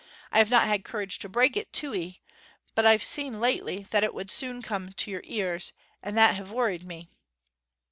I have not had courage to break it to 'ee, but I've seen lately that it would soon come to your ears, and that hev worried me.'